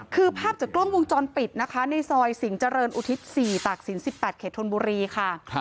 คือภาพจากกล้องวงจรปิดนะคะในซอยสิงห์เจริญอุทิศ๔ตากศิลป๑๘เขตธนบุรีค่ะ